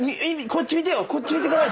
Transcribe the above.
こっち見てから。